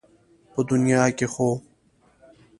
په دنيا کې خو